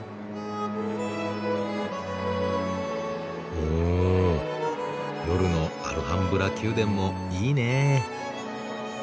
お夜のアルハンブラ宮殿もいいね。